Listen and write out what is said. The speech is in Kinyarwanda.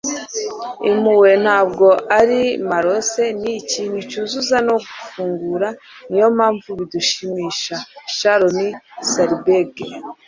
impuhwe ntabwo ari morose; ni ikintu cyuzura no gufungura; niyo mpamvu bidushimisha. - sharon salzberg